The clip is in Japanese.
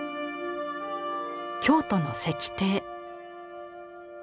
京都の石庭。